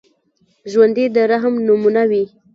ژوندي د رحم نمونه وي